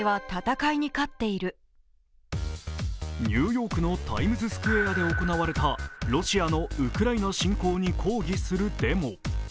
ニューヨークのタイムズスクエアで行われたロシアのウクライナ侵攻に抗議するデモ。